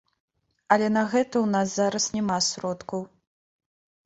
Але на гэта ў нас зараз няма сродкаў.